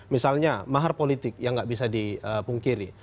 misalnya mahar politik yang nggak bisa dipungkiri